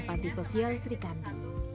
panti sosial srikandi